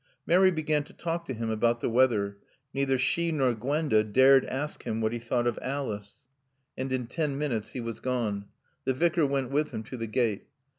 Mary began to talk to him about the weather. Neither she nor Gwenda dared ask him what he thought of Alice. And in ten minutes he was gone. The Vicar went with him to the gate.